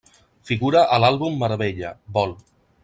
Figura a l'Àlbum meravella, Vol.